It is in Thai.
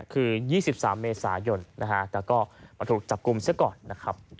คือ๒๓เมษายนนะฮะแต่ก็มาถูกจับกลุ่มเสียก่อนนะครับ